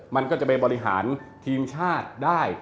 มันก็จะไปบริหารทีมชาติได้